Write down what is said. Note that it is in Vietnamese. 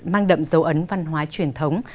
mang đậm dấu ấn văn hóa truyền thống